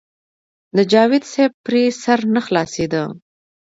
د جاوېد صېب پرې سر نۀ خلاصېدۀ -